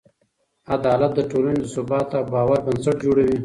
عدالت د ټولنې د ثبات او باور بنسټ جوړوي.